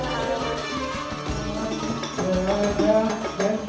jangan belajar dan pemerhilangkan tidak akan semuanya karena indeed tunggu sepuluh jam kamu yang mau bekerja